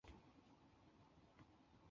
尖齿黄耆是豆科黄芪属的植物。